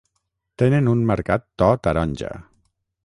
Tenen un marcat to taronja.